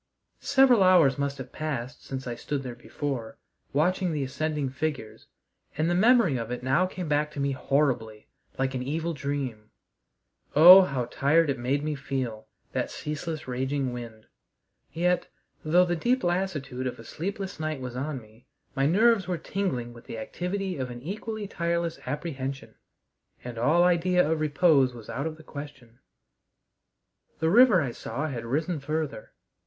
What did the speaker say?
Several hours must have passed since I stood there before, watching the ascending figures, and the memory of it now came back to me horribly, like an evil dream. Oh, how tired it made me feel, that ceaseless raging wind! Yet, though the deep lassitude of a sleepless night was on me, my nerves were tingling with the activity of an equally tireless apprehension, and all idea of repose was out of the question. The river I saw had risen further.